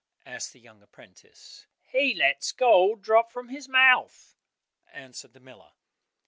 asked the young apprentice. "He lets gold drop from his mouth," answered the miller.